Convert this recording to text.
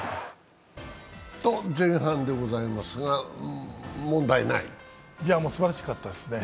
前半でございますが、問題ない？すばらしかったですね。